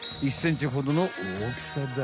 １ｃｍほどのおおきさだ。